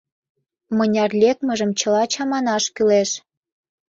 Мыняр лекмыжым чыла чаманаш кӱлеш.